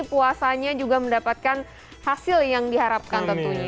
puasanya juga mendapatkan hasil yang diharapkan tentunya